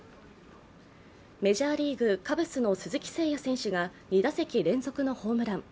メジャーリーグ、カブスの鈴木誠也選手が２打席連続のホームラン。